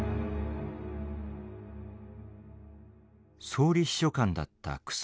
総理秘書官だった楠田。